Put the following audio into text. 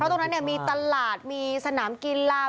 อ่ออออออออตรงนั้นมีตลาดมีสนามกีลา